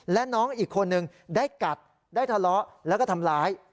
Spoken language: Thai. และน้องอีกคนนึงได้กัดได้ทะเลาะแล้วก็ทำร้าย